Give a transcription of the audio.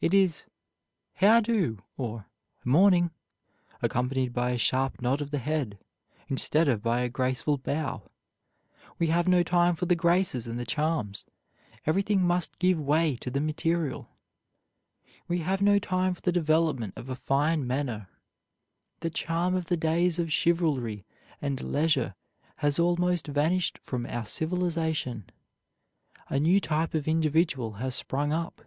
It is: "How do?" or "Morning," accompanied by a sharp nod of the head, instead of by a graceful bow. We have no time for the graces and the charms. Everything must give way to the material. We have no time for the development of a fine manner; the charm of the days of chivalry and leisure has almost vanished from our civilization. A new type of individual has sprung up.